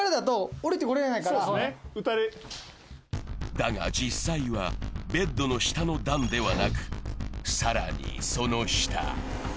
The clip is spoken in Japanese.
だが実際はベッドの下の段ではなく、更にその下。